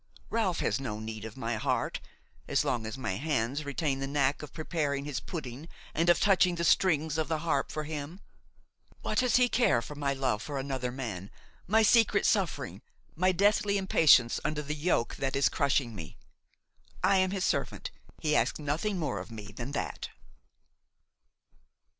Ralph has no need of my heart; as long as my hands retain the knack of preparing his pudding and of touching the strings of the harp for him, what does he care for my love for another man, my secret suffering, my deathly impatience under the yoke that is crushing me? I am his servant, he asks nothing more of me than that."